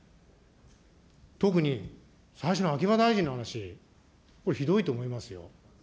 特に最初の秋葉大臣の話、これ、ひどいと思いますよ。